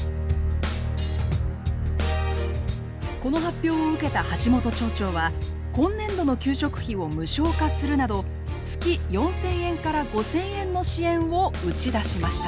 この発表を受けた橋本町長は今年度の給食費を無償化するなど月４，０００円から５，０００円の支援を打ち出しました。